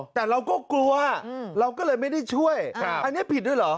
แต่เราก็กลัวเราก็เลยไม่ได้ช่วยอันนี้ผิดด้วยเหรอ